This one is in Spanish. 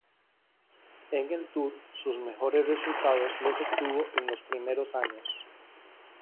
En el Tour, sus mejores resultados los obtuvo en los primeros años.